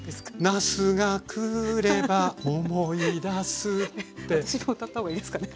なすがくれば思い出す私も歌ったほうがいいですかね？